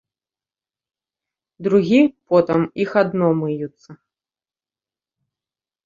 Другі потам іх адно мыюцца.